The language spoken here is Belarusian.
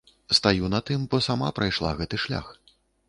Стаю на тым, бо сама прайшла гэты шлях.